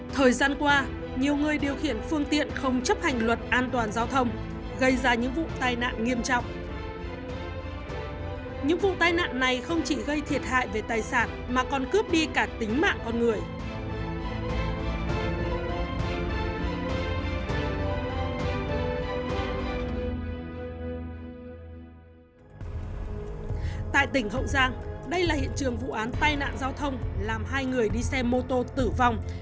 thời gian qua nhiều người điều khiển phương tiện không chấp hành luật an toàn giao thông gây ra những vụ tai nạn nghiêm trọng